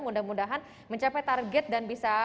mudah mudahan mencapai target dan bisa